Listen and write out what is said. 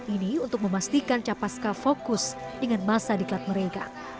ini untuk memastikan capaska fokus dengan masa diklat mereka